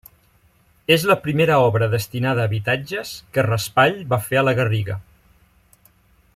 És la primera obra destinada a habitatges que Raspall va fer a la Garriga.